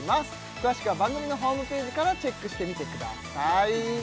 詳しくは番組のホームページからチェックしてみてください